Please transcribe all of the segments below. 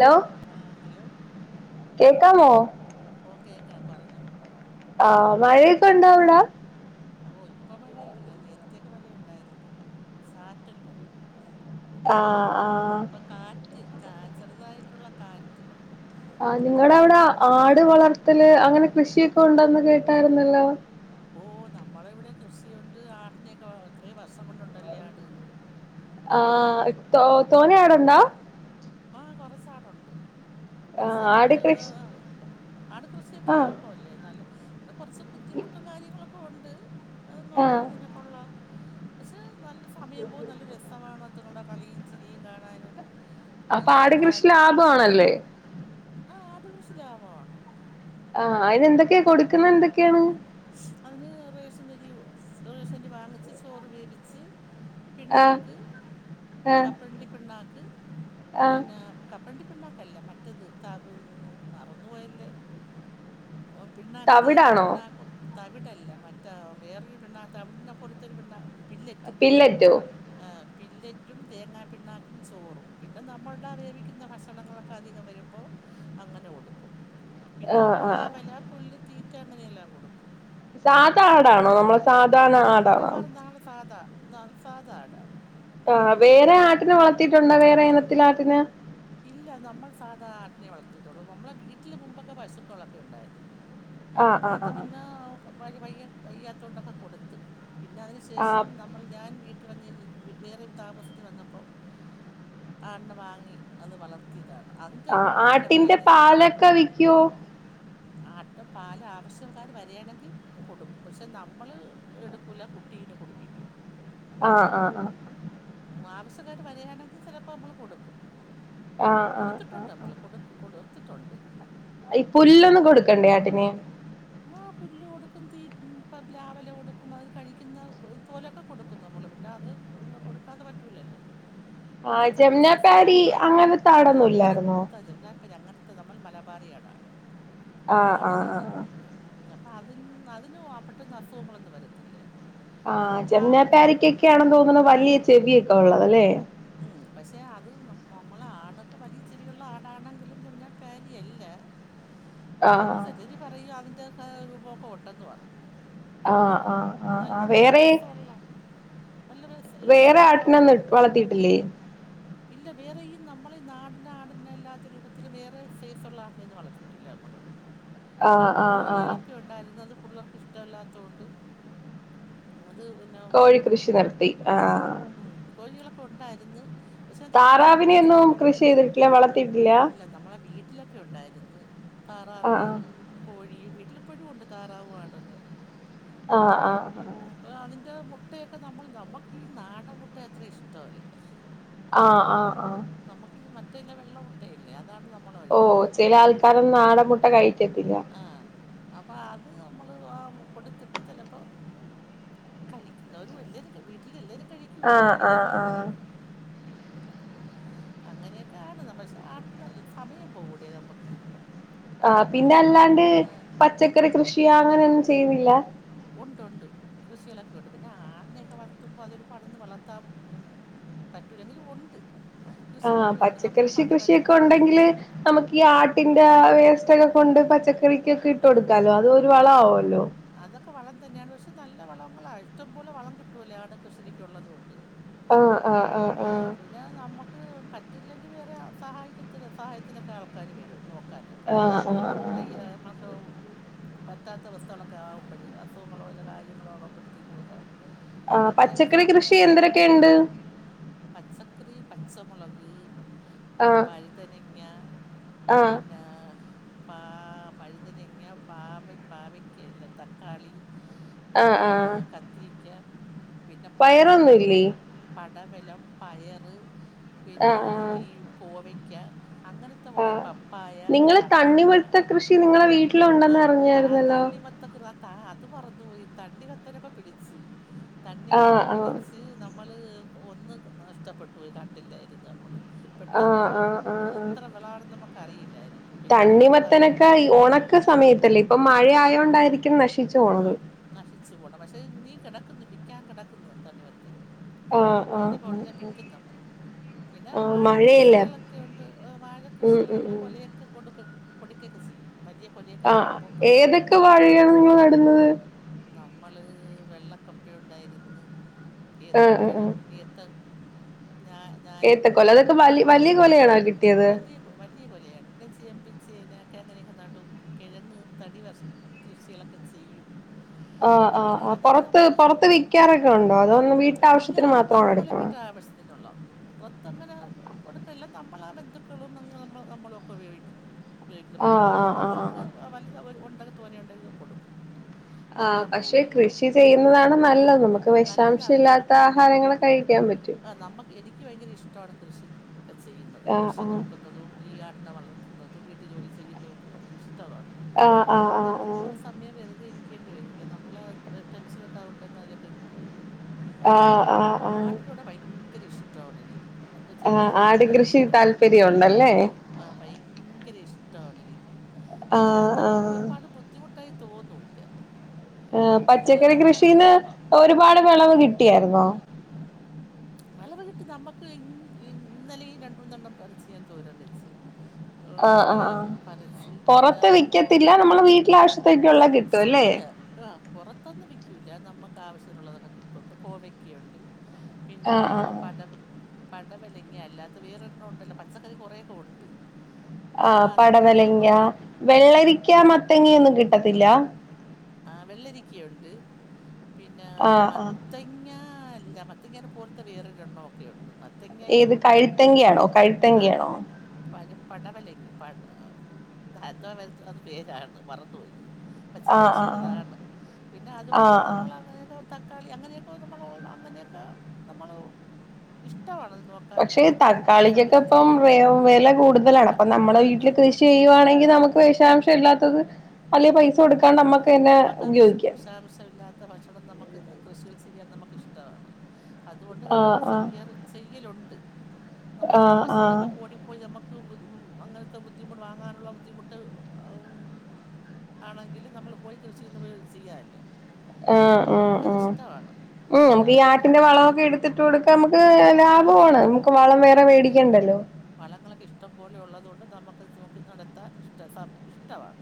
Hello ആഹ് hello കേക്കാമോ ഓഹ് കേക്കാം പറഞ്ഞോ ആഹ് മഴയൊക്കെ ഉണ്ടോ അവ്ടെ ഓഹ് ഇപ്പൊ മഴയില്ല നേര്ത്തൊക്കെ മഴയുണ്ടായിരുന്നു ചാറ്റൽ മഴ ആഹ് ആഹ് ഇപ്പ കാറ്റ് കാ ചെറുതായിട്ടുള്ള കാറ്റ് ആഹ് നിങ്ങടെ അവ്ടെ ആട് വളർത്തല് അങ്ങനെ കൃഷിയൊക്കെ ഉണ്ടന്ന് കേട്ടായിര്ന്നല്ലോ ഓഹ് നമ്മള ഇവിടെ കൃഷിയുണ്ട് ആടിനെക്കെ വ ഇത്രീം വർഷം കൊണ്ടുണ്ടല്ലേ ആട് ആഹ് തോ തോനെ ഇടണ്ടാ ആഹ് കൊറസാടുണ്ട് ആ കൊറസ് ആട് നമ്മള് കൃഷി ആട് കൃഷിയൊക്കെ ആ ലാഭവല്ലേ ന്നാലും പിന്നെ കൊർച്ച് ബുദ്ധിമുട്ടും കാര്യങ്ങളൊക്കെ ഉണ്ട് അഅ് ആ നോക്കുന്നതന്നെ കൊള്ളാം പക്ഷെ നല്ല സമയം പോവും നല്ല രസമാണ് അറ്റങ്ങളുടെ കളിയും ചരിയും കാണാനും അപ്പൊ ആട് കൃഷി ലാഭമാണല്ലേ ആഹ് ആട് കൃഷി ലാഭമാണ് ആഹ് അയിനെന്തൊക്കെ കൊടുക്ക്ന്ന എന്തെക്കെയാ അതിന് റേഷനരിയോ റേഷനരി വാങ്ങിച്ച് ചോറ് വേവിച്ച് ആ പിണാക്ക് ആ കപ്പലണ്ടി പിണാക്ക് ആ പിന്നെ കപ്പണ്ടി പിണ്ണാക്കല്ല മറ്റത് താ ഏ് മറന്നു പോയല്ലെ ഓഹ് പിണ്ണാക്ക് തേങ്ങ തവിടാണോ തവിടല്ല മറ്റേ വേറൊരു പിണ്ണാതവിട്നെ പോലത്തെരു പിണ്ണാ പില്ലറ്റ് പില്ലറ്റോ ആഹ് പില്ലറ്റും തേങ്ങാ പിണ്ണാക്കും ചോറും പിന്നെ നമ്മൾടെ വേവിക്ക്ന്ന ഭക്ഷണങ്ങളൊക്ക് അധികം വരുമ്പോ അങ്ങനെ കൊടുക്കും ആ പിന്നെ ആ പ്ലാവല പുല്ല് തീറ്റ അങ്ങനെയെല്ലാം കൊടുക്കും സാധാ ആടാണോ നമ്മളെ സാധാരണ ആടാണോ ആണ് സാധാ ന്നാണ് സാധാ ആടാണ് ആഹ് വേറെ ആട്ടിനെ വളർത്തിയിട്ടുണ്ടോ വേറെ ഇനത്തിലെ ആട്ടിനെ ഇല്ല നമ്മൾ സാധാ ആടിനെ വളർത്തീട്ടൊള്ളൂ നമ്മളെ വീട്ടില് മുമ്പൊക്കെ പശുക്കളൊക്കെ ഉണ്ടായിരുന്നു ആ ആ അത് ആ ആ. പിന്നെ വ വയ്യ വയ്യാത്തോണ്ടൊക്കെ കൊടുത്ത് പിന്നെ അതിന് ആ ശേഷം നമ്മൾ ഞാൻ വീ റ്റ്‌വന്ന് വേ വേറെര് താമസത്തിന് വന്നപ്പം ആട്നെ വാങ്ങി അത് വളർത്തിയതാണ് അതിന്റെ ആ ആട്ടിന്റെ പിരുക്കളായിരുന്നു പാലൊക്കെ വിക്കോ ആട്ടും പാല് ആവശ്യക്കാര് വരിയാണെങ്കിൽ കൊടുക്കും പക്ഷെ നമ്മള് എടുക്കൂല കുട്ടീനെ കുടുപ്പിക്കും ആഹ് ആഹ് ആഹ് ആവശ്യക്കാർ വരികയാണെങ്കിൽ ചിലപ്പോൾ നമ്മൾ കൊടുക്കും ആഹ് ആഹ് കൊടുത്തി ട്ടുണ്ട് ആഹ് നമ്മള് കൊടുക്കും കൊടുത്തിട്ടുണ്ട് ഈ പുല്ലൊന്നും കൊടുക്കണ്ടേ ആട്ടിന് ആഹ് പുല്ല് കൊടുക്കും തീ ഇപ്പം പ്ലാവില കൊടുക്കും അത് കഴിക്കുന്ന പോലൊക്കെ കൊടുക്കും നമ്മള് പിന്നെ അത് പിന്നെ കൊടുക്കാതെ പറ്റീല്ലല്ലോ ആഹ് ജംനാപാരി അങ്ങനത്തെ ആടൊന്നും ഇല്ലായിരുന്നോ ഇല്ല അങ്ങനത്തെ നമ്മള് മലബാറി ആടാണ് ആഹ് നാടൻ ആഹ് ആഹ് ആടാണ് ആഹ് ഉം അപ്പം അതി അതിന് പെട്ടെന്ന് അസുഖങ്ങളൊന്നും വരത്തില്ല ആഹ് പാവ ജംനാപാരിക്കൊക്കെ ആണെന്ന് തോന്നണു വലിയ ചെവിയൊക്കെ ഉള്ളതല്ലേ ഉം പക്ഷെ അത് നമ്മളെ ആടൊക്കെ വലിയ ചെവിയുള്ള ആടാണെങ്കിലും ജംനാപാരി അല്ല [inaudible] ആഹ് ചെലര് പറയും അതിന്റെയൊക്കെ രൂപമൊക്കെ ഉണ്ടെന്നു പറയും ആഹ് ആഹ് അത് ആഹ് നല്ല ആഹ് നല്ല വേറെ രസമുള്ള നല്ല രസാ വേറെ ആട്ടിനെ ഒന്നും വളത്തിയിട്ടില്ലേ ഇല്ല വേറെ ഈ നമ്മളെ ഈ നാടിനെ ആടിനെ ഇല്ലാത്ത രൂപത്തിലും വേറെ സൈസുള്ള ആടിനെയൊന്നും വളർത്തിയിട്ടില്ല നമ്മള് [inaudible] പിന്നെ ആഹ് ആഹ് കോഴികളൊക്കെ ഉണ്ടായിരുന്നു അത് പിള്ളേർക്ക് ഇഷ്ടമല്ലാത്ത കൊണ്ട് അത് പിന്നെ കോഴിക്കൃഷി നിർത്തി ആഹ് ഉം കോഴികളൊക്കെ ഉണ്ടായിരുന്ന് താറാവിനെയൊന്നും കൃഷി ചെയ്തിട്ടില്ല വളർത്തിയിട്ടില്ല ഇല്ല നമ്മളെ വീട്ടിലൊക്കെ ഉണ്ടായിരുന്നു ആഹ് താറാവിന്റതും കോഴിയും വീട്ടിലിപ്പോഴും ഉണ്ട് താറാവും ആടൊക്കെ ആഹ് ആഹ് ആഹ് ഇപ്പ അതിന്റെ മുട്ടയൊക്കെ നമ്മൾ നമുക്ക് ഈ നാടൻ മുട്ട അത്ര ഇഷ്ടമല്ല ആഹ് ആഹ് ആഹ് നമുക്ക് ഈ മറ്റേതില്ലേ വെള്ള മുട്ടയില്ലേ അതാണ് ന ഓ ചില ആൾക്കാരൊന്നും നാടൻ മുട്ട കഴിക്കത്തില്ല ആഹ് അപ്പോ അത് നമ്മള് ആ കൊടുത്തിട്ട് ചിലപ്പോ കഴിക്കുന്നവര് എല്ലവരും വീട്ടില് എല്ലാവരും കഴി കഴിക്കൂല്ല ആഹ് ആഹ് ആഹ് അങ്ങനെയൊക്കെ ആണ് ന പക്ഷെ ആ നല്ല സമയം പോകൂടി നമുക്ക് ആഹ് പിന്നെ അല്ലാണ്ട് ആഹ് പച്ചക്കറി കൃഷിയാ അങ്ങനെയൊന്നും ചെയ്യുന്നില്ല ഒണ്ട് ഒണ്ട് കൃഷികളൊക്കെ ഉണ്ട് പിന്നെ ആടിനെയൊക്കെ വളർത്തുമ്പൊ അതൊരു പാടന്ന് വളർത്താം പറ്റൂലങ്കിലും ഉണ്ട് ആഹ് കൃഷികളൊക്കെ ഉണ്ട് നമ്മൾ പച്ചക്കൃഷി പടവലം കൃഷിയൊക്കെ ഉണ്ടെങ്കില് നമുക്ക് ഈ ആട്ടിന്റെ വേസ്റ്റൊക്കെ കൊണ്ട് പച്ചക്കറിക്കൊക്കെ ഇട്ട് ഉം കൊടുക്കാലോ അത് പോലെ വളം ആവൂല്ലോ അതൊക്കെ വളം തന്നെയാണ് പക്ഷെ നല്ല വളങ്ങളാ ഇഷ്ടംപോലെ വളം കിട്ടുവല്ലോ ആടൊക്കെ ശരിക്കുള്ളത് കൊണ്ട് ആഹ് ആഹ് ആഹ് ആഹ് പിന്നെ നമുക്ക് പറ്റില്ലെങ്കിൽ വേറെ സഹായിക്കത്തി സഹായത്തിനൊക്കെ ആൾക്കാാര് വരും നോക്കാന് ആഹ് നമ്മളെ ആഹ് കൊണ്ട് ആഹ് വയ്യ പറ്റാത്ത അവസ്‌ അതുപോണക്കു ആവുമ്പോഴ് അസുഖങ്ങളോല്ല കാര്യങ്ങളും ആകുമ്പോഴത്തേക്കുക്കെ ആ പച്ചക്കറി കൃഷി എന്രൊക്കെ ഉണ്ട് പച്ചക്കറി പച്ചമുളക് പിന്നെ ആഹ് വഴുതനങ്ങ ആഹ് പിന്നെ പ പഴുതനങ്ങ പാവി പവി ഒക്കെയല്ല തക്കാളി ആഹ് പിന്നെ കത്തിരിക്ക പിന്നെ പടവലം പയറൊന്നുമില്ലേ പടവലം, പയറ് പിന്നാ ആഹ് ആഹ് ഈ കോവയ്ക്ക അങ്ങനത്തെ കൊറേ ആഹ് പയ നിങ്ങള് ചക്ക തണ്ണിമത്ത കൃഷി നിങ്ങളെ വീട്ടിലുണ്ടെന്ന് ആഹ് ത അറിഞ്ഞായിരുന്നല്ലോ തണ്ണിമത്തൻ [unintelligible] അത് മറന്നു പോയി തണ്ണിമത്തനൊക്കെ പിടിച്ച് ആഹ് തണ്ണിമത്തം ആഹ് പിടിച്ച് ന നമ്മള് ഒന്ന് നഷ്ടപ്പെട്ടു പോയി കണ്ടില്ലായിര്ന്ന് നമ്മള് പെട്ടെന്ന് ആഹ് ആഹ് ആഹ് ആഹ് എത്ര വിളാണെന്ന് നമ്മക്കറീല്ലായിര്ന്നു തണ്ണിമത്തനൊക്കെ ഈ ഒണക്ക് സമയത്തല്ലേ ഇപ്പം മഴ ആയോണ്ടായിരിക്കും നശി ആഹ് നശിച്ചു പോണ പക്ഷെ നീ കെടക്ക്ന്ന് പിക്കാൻ കെടക്ക്ന്ന് തണ്ണിമത്തൻ ആഹ് ആഹ് അനിപ്പോ ഒടനെ ആഹ് ആഹ് പിക്കും നമ്മള് പിന്നെ ആഹ് വാഴ മഴയല്ലേ കൃഷികളൊക്കെ ഒണ്ട് വാഴ ഉം കൃഷികളൊക്കെ ഉം നമ്മള് ഉം കൊലയൊക്കെ കൊട്ക്കും കൊട്ക്കൊക്കെ ചീയ്യും വലിയ കൊലയൊക്കെ വീഴുബം നമ്മള് നിങ്ങള് നട്ന്നത് നമ്മള് വെള്ളക്കപ്പയുണ്ടായിര്ന്ന്. ആഹ് ആഹ് ഏത്തപ്പഴം, ആഹ് ഏത്ത ഞാ ഏത്തക്കൊല ഞാലിപ്പൂവൻ അതൊക്കെ വലി വല്ല്യേ കൊലയാണോ കിട്ടിയത് വല്ല്യേ കൊലയാണ് പിന്നെ ചേമ്പ്, ചേനക്കെ അങ്ങനക്കെ നടും കെഴങ്ങ് തടിവർ കൃഷ്യാളക്കെ ചെയ്യും ആഹ് ആഹ് ആക്കാര് ആഹ് അതൊക്കെ പൊറത്ത് നമ്മള് പൊറത്ത് വിക്കാറൊക്കെ ഉണ്ടോ അതോ ഇല്ല വീട്ടാവശ്യത്തിന് അത് മാത്രമാണോ നമ്മള് എടുക്കണെ വീട്ടാ ആവശ് ത്തിനൊള്ളത് പുറത്തങ്ങനെ കൊട്ക്കല്ല നമ്മളാ ബന്ധുക്കളും നമ്മൾ നമ്മളൊക്കെ ഉപയോഗിക്കും ഉപയോഗിക്കുന്നത് ആഹ് കൊല ആഹ് ആഹ് നമ്മൾക്ക് ആഹ് ആഹ് വലുതു ഒണ്ടെങ്കി തോനെണ്ടെങ്കി കൊട്ക്കും ആഹ് പക്ഷെ കൃഷി ചെയ്യ്ന്നതാണ് നല്ലത് നമുക്ക് വിഷാംശ നല്ലതാണ് ഇല്ലാത്ത നമുക്ക് ആഹാരങ്ങള് കഴിക്കാൻ പറ്റും നമുക്ക് എനിക്ക് ഭയങ്കര ഇഷ്ടമാണ് കൃഷി ഒക്കെ ചെയ്യുന്നത് ആഹ് കൃഷി ആഹ് നോക്ക്ന്നതും ഈ ആട്ടിനെ വളർ ത്തുന്നതും വീട്ട് ജോലി ചെയ്യുന്നതൊക്കെ എനിക്കിഷ്ടമാണ് ആഹ് ആഹ് അതുകൊണ്ട് ആഹ് എനിക്ക്നെ സമയം വ ർതെ ഇരിക്കേണ്ടി വരൂല്ല നമ്മൾ ടെൻഷനൊക്കെ അതോണ്ടെക്കെ അതിലൊക്കെയങ്ങു പോകും മ് ആഹ് ആഹ് ആഹ് ആട്ടിനെ ഇവിടെ ഭയങ്കര ഇഷ്ട്ടാണെനിക്ക് ആഹ് ആട് കൃഷി താല്പര്യണ്ടല്ലേ ആഹ് ഭയങ്കര ഇഷ്ട്ടാണെനിക്ക് പക്ഷെ അത് ആഹ് നമ്മക്ക് ആഹ് ഒര്പാട് ബുദ്ധിമുട്ടായി തോന്നൂല്ല ആഹ് അതുങ്ങൾ ആ പച്ചക്കറി കൃഷീന്ന് ഒര് പാട് വെളവ് കിട്ട്യാര്ന്നോ നലവ കിട്ട് നമ്മക്ക് ഇന്നലേം രണ്ട് മൂന്നെണ്ണം പറിച്ച് ഞാൻ തോരം വെച്ച് ഉം, ആഹ് ആഹ് പടവലം ആഹ് പറിച്ച് പിന്നെ പൊറത്ത് കോ- വിൽക്കത്തില്ല നമ്മള് വീട്ടിലാ വശ്യത്തേക്കൊള്ള കിട്ട്വാല്ലേ പൊറത്തൊന്നും വിക്കൂല്ല നമ്മക്ക് ആവശ്യത്തിനുള്ളതൊക്കെ കിട്ടും കോവക്കയൊണ്ട് പിന്നാ ആഹ് ആഹ് ആഹ് പടവ പടവലങ്ങ അല്ലാത്ത വേറോരെണ്ണം ഒണ്ടല്ലോ പച്ചക്കറി കൊറേക്കെ ഒണ്ട് ആഹ് പടവലങ്ങ, ഉം, വെള്ളരിക്കാ, മത്തങ്ങ ഒന്നും കിട്ടത്തില്ല ആഹ് വെള്ളരിക്ക്യാ ഒണ്ട് പിന്നെ ആഹ് മത് ആഹ് ത്തങ്ങ ല്ല മത്തങ്ങനെ പോലത്തെ വേറൊരെണ്ണമൊക്കെ ഒണ്ട് മ ഏത് കഴ്ത്തെങ്കയാണോ ആ കഴ്ത്തെങ്കയാണോ? പഴ പടവലങ്ങ പട [unintelligible] അത് പേരാണ് മറന്നുപോയി പ ആഹ് ആഹ് ആഹ് കൃഷിടെതാണ് പിന്നെ അതുകൊണ്ടൊക്കെ ആഹ് ആഹ് നമ്മളങ്ങനെയെക്കെ തക്കാളി അങ്ങനെയൊക്കെ നമ്മളൊള്ള അങ്ങനെയൊക്കെ നമ്മള് ഇഷ്ട്ടവാണത് നോക്ക പക്ഷെ തക്കാളിക്കൊക്കെ ഇപ്പം വെ വെല കൂടുതലാണ് അപ്പ നമ്മടെ തക്കാളിക്ക് വീട്ടില് എന്ത് കൃഷി ചെയ്യുവാണെങ്കിൽ നമക്ക് വിഷാംശം ഇല്ലാത്തത് വല്ല്യ പൈസ കൊട്ക്കാണ്ട് നമ്മക്കെന്നെ ഉപയോഗിക്കാം ശമില്ലാത് ത്ത ഭക്ഷണം നമ്മക്ക് കൃഷികൾ ചെയ്യാൻ നമ്മക്കിഷ്ട്ടമാണ് അതുകൊണ്ട് നമ്മൾ ആഹ് ആഹ് ചെയ്യാറ് ചെയ്യലൊണ്ട് നമ്മക്ക് ആഹ് ആഹ് ആവശ്യത്തിനൊക്കെ ഓടിപ്പോയി നമ്മക്ക് [unintelligible] അങ്ങനത്തെ ബുദ്ധിമുട്ട് വാങ്ങാനുള്ള ബുദ്ധിമുട്ട് അം ആണെങ്കില് നമ്മൾ പോയി കൃഷിന്ന് പോയി ചെയ്യാല്ലേ ആഹ് ഉം ഉം ഉം ഇഷ്ടം നമ്മക്കീ അതൊന്ന് ആട്ടിന്റെ വളമൊക്കെ എട്ത്തിട്ട് കൊട്ക്കാ നമ്മക്ക് ഓ ക്ക് വളങ്ങൾ ലാഭവാണ് നമ്മക്ക് വളം വേറെ മേടിക്കണ്ടല്ലോ വളങ്ങളൊക്ക ഇഷ്ട്ടം പോലെ ഒള്ളതുകൊണ്ട് നമ്മക്കത് നോക്കി നടത്താൻ ഇഷ്ട്ടാ സമ ഇഷ്ട്ടമാണ്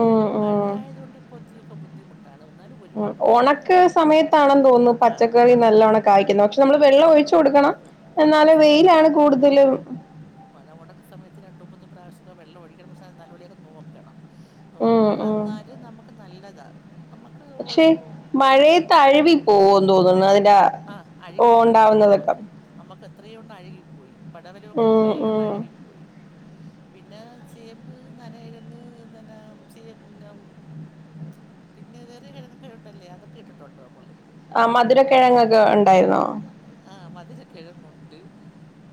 ഉം ഈ ഉം മഴയായതുകൊണ്ട് ഇപ്പോ ഇത്തിരിയൊക്കെ ബുദ്ധിമുട്ടാണ് എന്നാലും ഒ ഒ ഒണക്ക് സമയത്താണെന്ന് തോനുന്നു ആ പച്ചക്കറി ഒണ നല്ലവണ്ണം കായ്ക്കുന്നെ പക്ഷെ നമ്മള് വെള്ളം ഒഴിച്ചു കൊടുക്കണം. ഉം എന്നാലും വെയിലാണ് കൂടുതലും പഴമണക്ക സമയത്ത് രണ്ടുമൂന്ന് പ്രാവശ്യക്കെ വെള്ളം ഒഴിക്കണം പക്ഷെ നല്ലപോലെയൊക്കെ നോക്കണം. ഉം നോക്കി ഉം വന്നാല് നമ്മക്ക് നല്ലതാണ് നമ്മക്ക് ഒരു അതഴവി പോവെന്ന് തോനുന്നു അതിന്റെ ആഹ് ഓ അഴുകിപ്പോയി ഇവിടെ ഉണ്ടാവുന്നതൊക്കെ നമ്മക്ക് നമുക്ക് എത്രയെണ്ണോ അഴുകിപ്പോയി. പടവലൊക്കെ ഉം എത്രയോണ്ണം ഉം അഴുകിപ്പോയി. പിന്നെ ചേമ്പ് നന എഴങ്ങ്ന്നേനാ ചെ [unintelligible] പിന്നെ വേറെ കെഴങ്ങൊക്കെ ഒണ്ടല്ലേ അതൊക്കെ ഇട്ടിട്ടുണ്ട് നമ്മള് ആഹ് മധുരക്കിഴങ്ങൊക്കെ ഒണ്ടായിരുന്നോ? ആഹ് മധുരക്കിഴങ്ങൊണ്ട്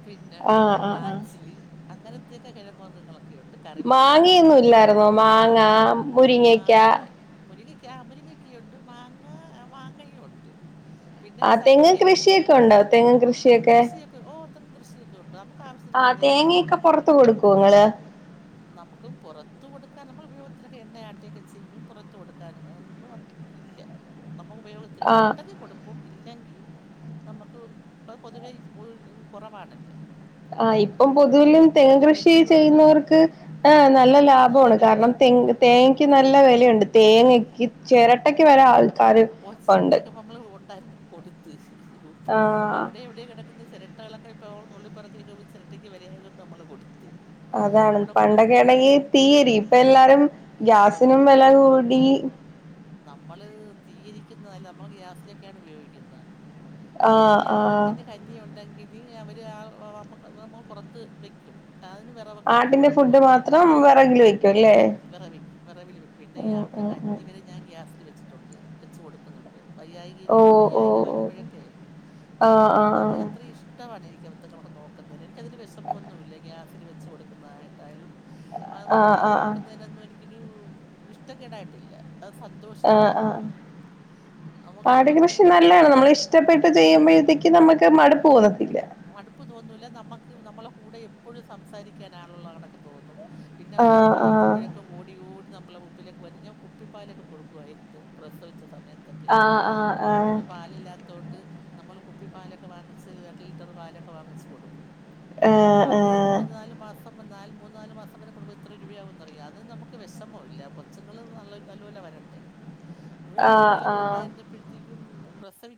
പിന്നെ ആ ആ ആ കാച്ചില് അങ്ങനത്തെയൊക്കെ കെഴങ്ങ് വർഗങ്ങളക് ക്കെയൊണ്ട് കറിവേപ്പല മാങ്ങയൊന്നും ഇല്ലായിരുന്നോ മാങ്ങ മുരിങ്ങക്ക മാങ്ങയി മുരിങ്ങക്കാ മുരിങ്ങക്കയൊണ്ട് മാങ്ങ മാങ്ങയും ഒണ്ട്. പിന്നെ ചക്കയൊണ്ട്. ഒണ്ടാ തെങ്ങും കൃഷിയൊക്കെ? ക്ക് ഓഹ് തെങ്ങ് കൃഷി കൊണ്ട് നമക്കാവാശ്യ ആഹ് തേങ്ങയൊക്കെ പൊറത്ത് കൊടുക്കോങ്ങള്? നമക്ക് പൊറത്ത് കൊടുക്കാൻ നമ്മൾ ഉപയോഗത്തിനൊക്കെ എണ്ണയാട്ടൊക്കെ ചെയ്യും പൊറത്ത് കൊടുക്കാൻ ഒന്നും അത് ഇല്ലാ നമ ഉപയോഗത്തിന് ആ ഒണ്ടെങ്കി കൊടുക്കും ഇല്ലെങ്കി നമ്മക്ക് ഇപ്പ പൊതുവേ [unintelligible] കൊറവാണല്ലേ. ആഹ് ഇപ്പം പൊതുവിലും തെങ്ങ് കൃഷി വിലയുമാണ് ചെയ്യുന്നവർക്ക് ആഹ് നല്ല അത് ലാഭവാണ് നല്ല കാരണം വിലയും തെങ്ങ് തേങ്ങക്ക് നല്ല വെലയുണ്ട് തേങ്ങക്ക് ചെരട്ടക്ക് വരെ ആള് ഓഹ് ചെരട്ടയൊക്കെ ഇപ്പ നമ്മള് ഒണ്ടായിരുന്നത് കൊടുത്ത് മുമ്പ് ആ അവിടെ ഇവിടെ കെട കിട്ടുന്ന ചെരട്ടകളൊക്കെ ഇപ്പോ നമ്മള് നുള്ളിപ്പറിക്കിയൊക്കെ പോയി ചെരട്ടക്ക് വെല ആയത്കൊണ്ട് നമ്മള് കൊടുത്ത്. അതാണ് കൂടെ കൂടെ കൊ- ആ, പണ്ടൊക്കെയാണെങ്കി തീയെരിയും ഇപ്പ എല്ലാരും ഗ്യാസിനും വെല കൂടി നമ്മള് തീയെരിക്കുന്ന അല്ല നമ്മള് ഗ്യാസിലൊക്കെയാണ് ഉപയോഗിക്കുന്നെ. പിന്നെ ആഹ് ഈ ആഹ് ആട്ടിന് കഞ്ഞിയൊ [unintelligible] അവര് ആ നമുക്ക് പുറത്ത് വെക്കും [unintelligible] ആടിന്റെ ഫുഡ് കുഴപ്പമൊന്നും മാത്രം വെ ഉം വേറവിൽ വെറവിൽ പിന്നെ ഈ ഉം ആദ്യത്തെ ഉം ഉം കഞ്ഞി വരെ ഞാൻ ഗ്യാസിൽ വെച്ച് ട്ടുണ്ട് വെച്ച് കൊടുക്കുന്നുണ്ട്. വൈയ്യായ്ക ഓഹ് വൈയ്യായ്ക ഓഹ് ഓഹ് വരുമ്പോഴക്കെ അപ്പം ആഹ് അങ്ങനെ ഇട്ടത് ആഹ് അത്രയും ഇഷ് ട്ടമാണ് എനിക്ക് അവറ്റങ്ങളൊക്കെ നോക്കുന്നതിന് എനിക്കതിൽ വിഷമൊന്നുമില്ല ഗ്യാസിൽ വെച്ച് കൊടുക്കുന്നതായിട്ടായാലും. ആഹ് ആഹ് [unintelligible] ആഹ് നോക്കുന്നതിനൊന്നും എനിക്കൊരു ഇഷ്ടക്കേടായിട്ടില്ല അത് സന്തോഷമാണ്. നമുക്ക് ആട് നമുക്ക് കൃഷി നല്ലതാ വിളിക്കുമ്പോഴൊക്കെ നമ്മൾ ഇഷ്ടപ്പെട്ട് ചെയ്യുമ്പോഴത്തേക്ക് നമ്മുക്ക് മടുപ്പ് തേന്നത്തി മടുപ്പ് തോന്നൂല്ല നമുക്ക് നമ്മളുടെ കൂടെ എപ്പോഴും സംസാരിക്കാനാളുള്ള കണക്ക് തോന്നും. പിന്നെ അവത്തുങ്ങൾ ആഹ് ആഹ് വിളിക്കുമ്പോയ ക്കെ ഓടി ഓടി നമ്മളുടെ മുമ്പിലേക്കെ വരി കുപ്പിപ്പാലൊക്കെ കൊടുക്കയിരുന്നു പ്രസവിച്ച സമയത്ത ക്കെ ആഹ് ആഹ് ആഹ് ആട്ടിന് പാലില്ലാ തൊണ്ട് നമ്മൾ കുപ്പിപ്പാലൊക്കെ വാങ്ങിച്ച് രണ്ട് ലിറ്ററ് പാലൊക്കെ വാങ്ങിച്ച് കൊടുക്കും. അപ്പൊ ആഹ് അത് ആഹ് മൂന്ന് നാല് മാ ക്കം നാല് മൂന്ന് നാല് മാസം വരെ കുടുംബം എത്ര രൂപയാകെന്ന അറിയാം അത് നമുക്ക് വിഷമോ ഇല്ല കെച്ചുങ്ങൾ നല്ല നല്ല പോലെ വരണ്ടേ. ആഹ് ആഹ് പ്പഴത്തേക്കും പ്രസവി